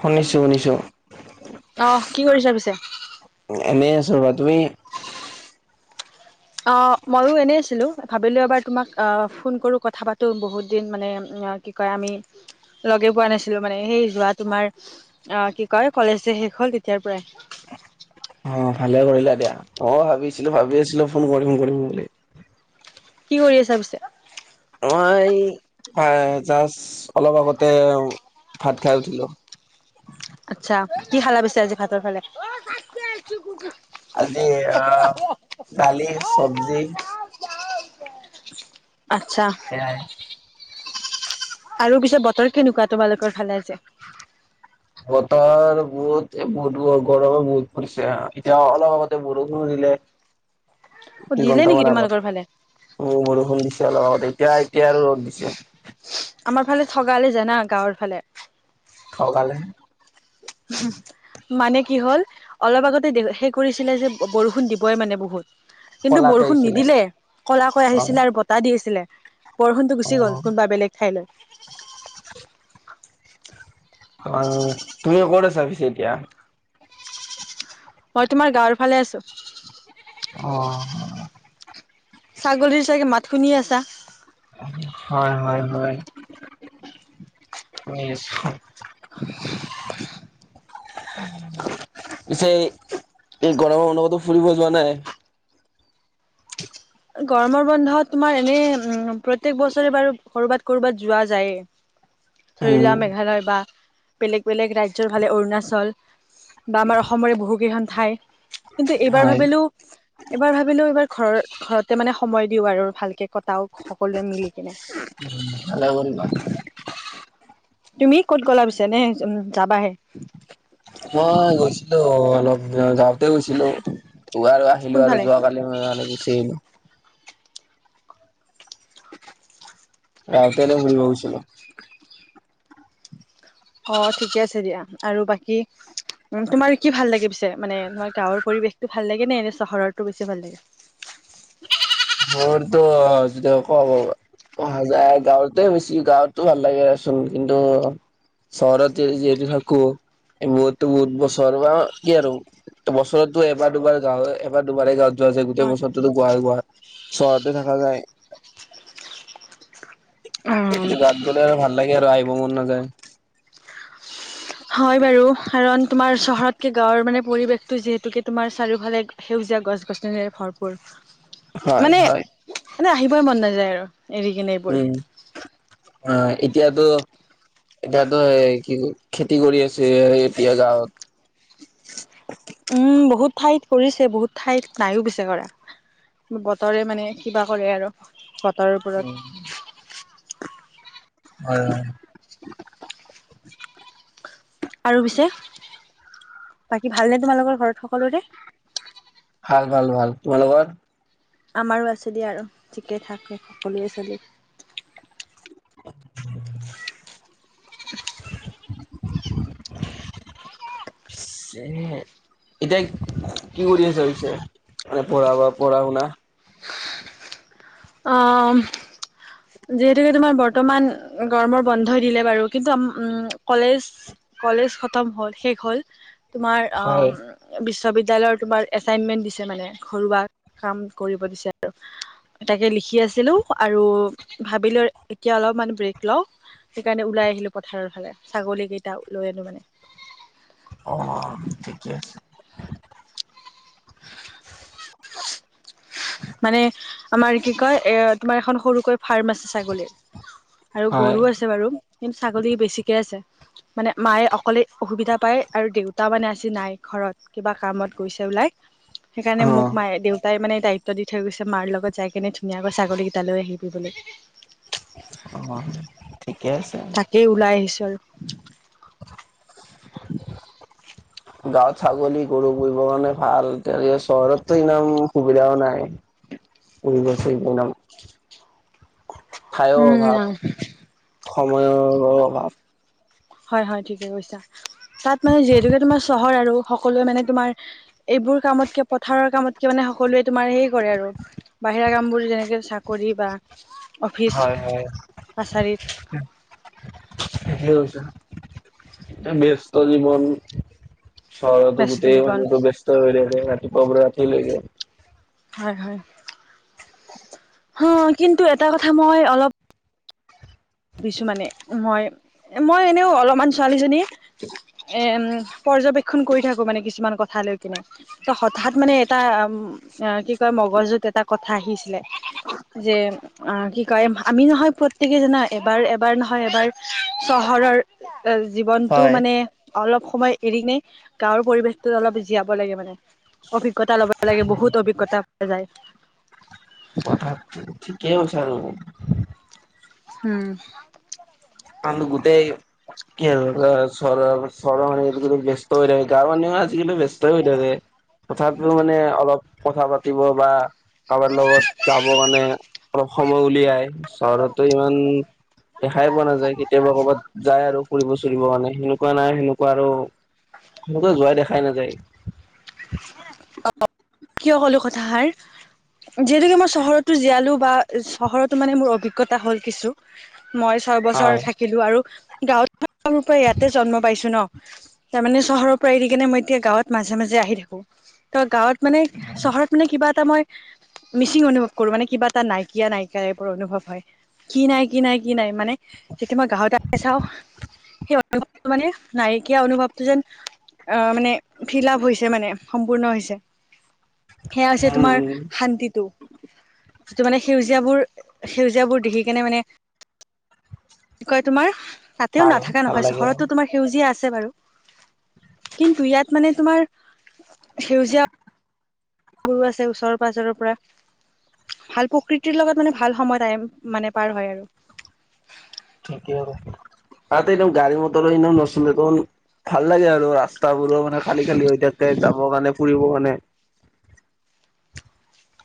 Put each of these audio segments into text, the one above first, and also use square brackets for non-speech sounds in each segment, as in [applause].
শুনিছোঁ, শুনিছোঁ। আহ, কি কৰিছা পিছে? এনেই আছো ৰ তুমি? অ, ময়ু এনেই আছিলো, ভাবিলো এবাৰ তোমাক ফোন কৰো কথা পাতো বহুত দিন মানে কি, কয় আমি লগে পোৱা নাছিলো মানে সেই যোৱা তোমাৰ অ, কি কয় কলেজ যে শেষ হল তেতিয়াৰ পৰাই হয়। অ, ভালে কৰিলা দিয়া অ, ভাবিছিলো ভাবি আছিলো ফোন কৰিম, কৰিম বুলি। কি কৰি আছা পিছে? মই জা অলপ আগতে ভাত খাই উঠিলোঁ। আচ্ছা কি খালা পিছে আজি ভাতৰ ফালে। আজি অ' দালি চব্জি। আচ্ছা। সেয়াই আৰু পিছে বতৰ কেনেকুৱা তোমালোকৰ ফালে আজি। বতাৰ বহুত বহুত ব- গৰমে বহুত পৰিছে এতিয়া অলপ আগতে বৰষুণ [unintelligible] অ' দিলে নেকি তোমালোকৰ ফালে। উম, বৰষুণ দিছে অলপ আগতে এতিয়া এতিয়া আৰু ৰ'দ দিছে। আমাৰ ফালে ঠগালে জানা গাঁৱৰ ফালে। ঠগালে। মানে কি হ'ল অলপ আগতে দে সে কৰিছিলে যে বৰষুণ দিবই মানে বহুত। কিন্তু কলাকে বৰষুণ আহিছিলে নিদিলে, কলা কৈ অ আহিছিলে আৰু বতাহ দি আহিছিলে। বৰষুণটো অ গুচি গ'ল কোনোবা বেলেগ ঠাইলৈ। অ' তুমিও ক'ত আছা পিছে এতিয়া। মই তোমাৰ গাঁৱৰ ফালে আছোঁ। অ', অ'। ছাগলীৰ চাগে মাত শুনিয়ে আছা। হয় হয় হয়, শুনি আছোঁ। [inaudible] পিছে এই গৰমৰ বন্ধতো ফুৰিব যোৱা নাই। গৰমৰ বন্ধত তোমাৰ এনেই প্ৰত্যেক বছৰে বাৰু ক'ৰবাত ক'ৰবাত যোৱা যায়েই। ধৰি উম, লোৱা মেঘালয় বা বেলেগ বেলেগ ৰাজ্যৰ ফালে অৰুণাচল, বা আমাৰ অসমৰে বহুকেইখন ঠাই। কিন্তু এইবাৰ হয়, ভাবিলোঁ, এইবাৰ ভাবিলোঁ এইবাৰ ঘৰ ঘৰতে মানে সময় দিওঁ আৰু ভালকে কটাও সকলোৱে মিলি কিনে। উম, ভালে কৰিলা। তুমি ক'ত গ'লা পিছে নে উম' যাবাহে। মই গৈছিলোঁ অলপ গাওঁ [unintelligible] গৈছিলোঁ আৰু আহিলোঁ আৰু কোনফালে যোৱাকালি [unintelligible] গুচি আহিলোঁ। গাওঁতে এনে ফুৰিব গৈছিলোঁ। অ' ঠিকে আছে দিয়া আৰু বাকী উম, তোমাৰ কি ভাল লাগে পিছে মানে তোমাৰ গাঁৱৰ পৰিৱেশটো ভাল লাগে নে এনে চহৰটো বেছি ভাল লাগেৱ [unintelligible] [unintelligible] অহা যায় গাঁৱতে বেছি গাঁৱতো ভাল লাগেচোন কিন্তু চহৰত যি যিহেতু থাকোঁ। এই বহুতো বহুত বছৰ বা কি আৰু বছৰতো এবাৰ দুবাৰ গাওঁ এবাৰ দুবাৰহে গাওঁ যোৱা যায় গোটেই হয় বছৰতোটো গুৱা গুৱা চহৰতে থাকা যায়। উম গাৱঁত গ'লে আৰু ভাল লাগে আৰু আহিব মন নাযায়। হয় বাৰু কাৰণ তোমাৰ চহৰতকে গাঁৱৰ মানে পৰিবেশটো যিহেতুকে তোমাৰ চাৰিওফালে সেউজ [unintelligible] গছ গছনিয়ে ভৰপূৰ। হয় মানে হয়। মানে আহিবই মন নাযায় আৰু এৰি কিনে এইবোৰ। উম অ' এতিয়াতো এতিয়াতো এই কি খেতি কৰি আছে এতিয়া গাঁৱত। উম বহুত ঠাইত কৰিছে বহুত ঠাইত নাইও পিছে কৰা। বতৰে মানে কিবা কৰে আৰু [unintelligible] হয় হয়। আৰু পিছে, বাকী ভালনে তোমালোকৰ ঘৰত সকলোৰে। ভাল ভাল ভাল, তোমালোকৰ? আমাৰো আছে দিয়া আৰু ঠিকে থাকে সকলোৱেচলি [unintelligible] [unintelligible] [unintelligible] এতিয়া কি কৰি আছা পিছে, মানে পঢ়া বা পঢ়া শুনা। অ'। যিহেতুকে তোমাৰ বৰ্তমান গৰমৰ বন্ধ দিলে বাৰু, কিন্তু আম কলেজ কলেজ খতম হ'ল শেষ হল। তোমাৰ আ, হয় বিশ্ববিদ বিদ্যালয়ৰ তোমাৰ এচাইনমেণ্ট দিছে মানে, ঘৰুৱা কাম কৰিব দিছে আৰু। তাকে লিখি আছিলোঁ, আৰু ভাবিলো এতিয়া অলপমান ব্ৰেক লওঁ। সেইকাৰণে ওলাই আহিলো পথাৰৰ ফালে, ছাগলী কেইটাও লৈ আনো মানে। অ', ঠিকে আছে। মানে আমাৰ কি কয় এ, তোমাৰ এখন সৰুকৈ ফাৰ্ম আছে ছাগলীৰ। আৰু হয় গৰু আছে বাৰু। কিন্তু ছাগলী বেছিকে আছে। মানে মায়ে অকলে অসুবিধা পায় আৰু দেউতা মানে আজি নাই। ঘৰত কিবা কামত গৈছে ওলাই। সেইকাৰণে মোক অ মায়ে দেউতাই মানে ত্ব দি থৈ গৈছে মাৰ লগত যাই কেনে ধুনীয়াকৈ ছাগলীকেইটা লৈ আহিবলৈ। অ', ঠিকে আছে। [inaudible] তাকেই ওলাই আহিছোঁ আৰু। [unintelligible] [unintelligible] গাঁৱত ছাগলী গৰু পুহিবৰ কাৰণে ভাল তে চহৰতটো ইমান সুবিধাও নাই। পুহিব চুহিব [unintelligible] ঠাইৰ উম', অভাৱ ন সময়ৰো অভাৱ। হয় হয়, ঠিকে কৈছা। তাত মানে যিহেতুকে তোমাৰ চহৰ আৰু সকলোৱে মানে তোমাৰ এইবোৰ কামতকে, পথাৰৰ কামতকে মানে হা সকলোৱে তোমাৰ হেই কৰে আৰু, বাহিৰা কাম বোৰ যেনেকে চাকৰি বা অফিচ হয় হয় কাছাৰীত [unintelligible] ঠিকে কৈছা। ব্যস্ত জীৱন। চৰতৰটো ব্যস্ত গোটেই জীৱন মানুহতো ব্যস্ত হৈ থাকে, ৰাতিপুৱাৰ পৰা ৰাতি লৈকে। হয়, হয়। হ কিন্তু এটা কথা মই অলপ ভাবিছো মানে, মই-মই এনেও অলপমান ছোৱালীজনী এ উম, পৰ্যবেক্ষণ কৰি থাকো মানে কিছুমান কথা লৈ কিনে, ত হঠাৎ মানে এটা অ', কি কয় মগজুত এটা কথা আহিছিলে। যে অ', কি কয়, আমি নহয় প্ৰত্যেকে জানা এবাৰ-এবাৰ নহয় এবাৰ চহৰৰ জীৱনটো হয়। মানে অলপ সময় এৰিনে গাঁৱৰ পৰিৱেশটোত অলপ জীয়াব লাগে মানে। অভিজ্ঞতা ল'ব লাগে, বহুত অভিজ্ঞতা পোৱা যায়। পথাৰ ঠি-ঠিকেই হৈছা ৰু। উম। মানুহ গোতেই কি আৰু [unintelligible] ধৰা চহৰৰ [unintelligible] ব্যস্ত হৈ থাকে, গাঁওৰ মানুহে আজিকালি ব্যস্ত হৈ থাকে। তথাপিও মানে অলপ কথা পাতিব বা কাৰোবাৰ লগত যাব মানে অলপ সময় উলিয়াই, চহৰতো ইমান দেখাই পোৱা নাযায়। কেতিয়াবা ক'ৰবাত যায় আৰু ফুৰিব চুৰিব কাৰণে সেনেকুৱা নাই সেনেকুৱা আৰু কতো যোৱাই দেখাই নাযায়। অ', কিয় কলো কথাষাৰ? যিহেতুকে মই চহৰতো জীয়ালো বা চহৰতো মানে মোৰ অভিজ্ঞতা হ'ল কিছু। মই ছয় বছৰ হয়, থাকিলোঁ আৰু গাঁৱত মই সৰুৰ পৰা ইয়াতে জন্ম পাইছো ন, তাৰমানে চহৰৰ পৰা এৰি কিনে মই এতিয়া গাঁৱত মাজে মাজে আহি থাকোঁ, ত' গাঁৱত মানে চহৰত মানে কিবা এটা মই মিচিং অনুভৱ কৰো, মানে কিবা এটা নাইকিয়া নাইকিয়া টাইপৰ অনুভৱ হয়। কি নাই, কি নাই, কি নাই, মানে কেতিয়াবা মই গাঁৱত আহি চাও। সেই অনুভৱটো মানে নাইকীয়া অনুভৱটো যেন অ', মানে ফিল আপ হৈছে মানে, সম্পূৰ্ণ হৈছে। সেয়া হৈছে উম তোমাৰ উম শান্তিটো যিটো মানে সেউজীয়াবোৰ-সেউজীয়াবোৰ দেখি কেনে মানে, কি কয় তোমাৰ তাতেও ভাল নাথাকা ভাল নহয়, লাগে চহৰতো তোমাৰ সেউজীয়া আছে বাৰু কিন্তু ইয়াত মানে তোমাৰ সেউজীয়া বোৰো আছে ওচৰ পাঁজৰৰ পৰা। ভাল প্ৰকৃতিৰ লগত মানে ভাল সময় তাইম মানে পাৰ হয় আৰ। ঠিকেই আৰু তাত একদম গাড়ী মটৰ এনাও নচলে তুন, ভাল লাগে আৰু ৰাস্তাবোৰো মা নে খালী খালী হৈ থাকে, যাব কাৰণে, ফুৰিব কাৰণে।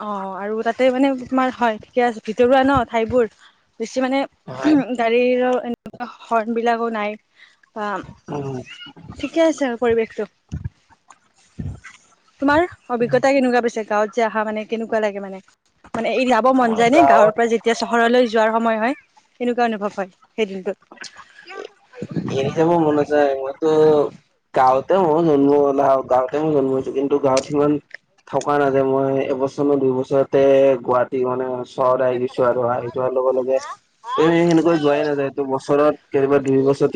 অ', আৰু তাতে মানে তোমাৰ হয় ঠিকে আছে, ভিতৰুৱা ন ঠাইবোৰ বেছি মানে হয় গাড়ীৰৰ এনেকা হৰ্ণবিলাকো নাই। বা উম ঠিকে আছে আৰু পৰিৱেশটো তোমাৰ অভিজ্ঞতা কেনেকুৱা পাইছা, গাঁৱত যে অহা মানে কেনেকুৱা লাগে মানে মানে এৰি যাব মন মোৰ যায় নে? গাঁৱত গাঁৱৰ পৰা যেতিয়া চহৰলৈ য যোৱাৰ সময় হয়, কেনেকুৱা অনুভৱ হয় সেই দিনটোত? এৰি যাব মন নাযায়। মইতো গাঁৱতে মৰো জন্ম হৈ [unintelligible] তেওঁ জন্ম হৈছো, কিন্তু গাঁৱত ইমান থকা নাযায়, মই এবছৰ ন দুইবছৰতে গুৱাহাটী মানে চহৰত আহি গৈছো, আৰু আহি যোৱাৰ লগে লগে তুমি সেনেকৈ যোৱাই নাযায়, ত' বছৰত কেতিয়াবা দুই বছৰত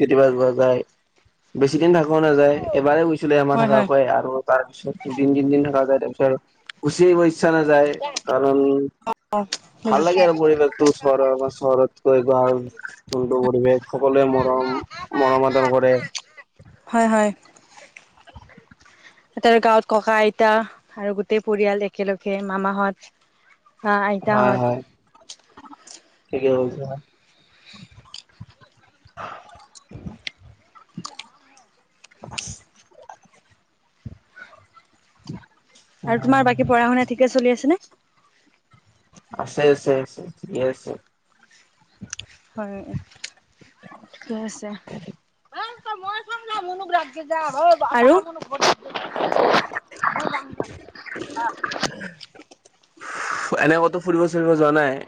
কেতিয়াবা যায়, বেছি দিন নাযায় এবাৰে গৈছিলো এমাহ হয় হয় থকাকৈ, আৰু তাৰ পিছত দুদিন তিনদিন থাকাকে তাৰপিছত গুছি আহিব ইচ্ছা নাযায়, কাৰণ ভাল বুজিছো লাগে আৰু পৰিৱেশটো, চহৰৰ চহৰতকৈ যোনটো পৰিৱেশ সকলোৱে মৰম মৰম আদৰ কৰে। [inaudible] এটা গাঁৱত ককা আইতা আৰু গোটেই পৰিয়াল একেলগে মামাহত হয় হয় আইতাহঁত [unintelligible] [inaudible] আৰু তোমাৰ বাকী পঢ়া শুনা ঠিকে চলি আছে নে? আছে, আছে, আছে থিকে আছে। হয়, ঠিকে আছে। [unintelligible] আৰু [inaudible] এনে কতো ফুৰিব চুৰিব যোৱা নাই?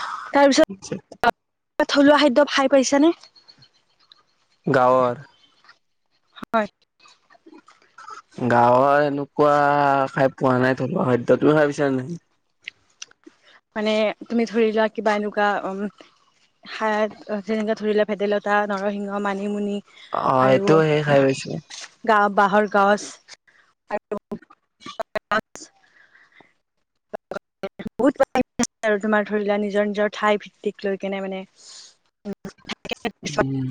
[inaudible] কিবা থলুৱা খাদ্য খাই পাইছানে? গাঁৱৰ হয়। গাঁৱৰ এনেকুৱা খাই পোৱা নাই থলুৱা খাদ্য, তুমি খাই পাইছানে নাই? মানে তুমি ধৰি লোৱা কিবা এনেকুৱা উম শাক যেনেকে ধৰি লোৱা ভেদাইলতা, নৰসিংহ, মানিমুনি অ আৰু এইটো সেই খাই পাইছো গাব বাঁহৰ গাজ আৰু [unintelligible] [unintelligible] আৰু তোমাৰ ধৰি লোৱা নিজৰ নিজৰ ঠাই ভিত্তিক লৈ কেনে মানে। উম,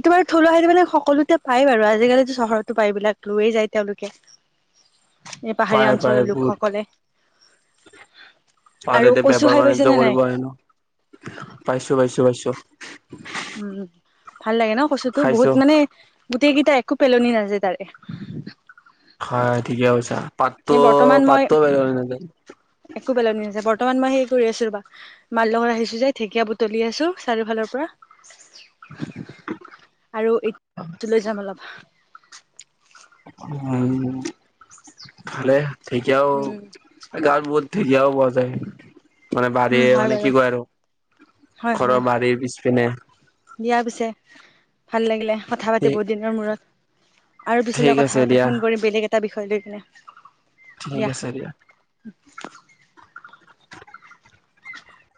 এইটো বাৰু থলুৱা সতে মানে সকলোতে পায় বাৰু আজিকালি চহৰতো পায়বিলাক লৈয়ে যায় তেওঁলোকে। এই পাহাৰীয়া পায় পায় অঞ্চলৰ বহুত লোকসকলে। আৰু এতিয়া কচু বেপাৰ খাই পাইছে বাণিজ্য নে নাই? কৰিব আহ ন পাইছো, পাইছো, পাইছো,। উম, ভাল লাগে ন, কচোতো বহুত খাইছো মানে। গোটেইকেইটা একো পেলনি নাযায় তাৰে। হয় ঠিকে কৈছা এই পাতো, বৰ্তমান মই পাতটো পেলনি নাযায়। একো পেলনী নাযায় বৰ্তমান মই হেই কৰি আছো ৰ বা মাৰ লগত আহিছো যে ঢেকীয়া বুলি আছো চাৰিওফালৰ পৰা। [unintelligible] আৰু এ, লৈ যাম অলপ। উ, ভালে আও উম গাওঁত বহুত ধেকীয়া অ,। পোৱা যায় মানে উম বাহীয়ে হয় মানে কি বাৰু কয় আৰু। হয়, ঘৰৰ হয়, বাৰীৰ পিছপিনে দিয়া পিছে। ভাল লাগিলে, কথা পাতি ঠিক বহুত দিনৰ মূৰত। আৰু পিছলৈ ঠিক আছে কথা পাতিম দিয়া ফোন কৰিম বেলেগ এটা বিষয় লৈ কিনে। ঠিক আছে দিয়া।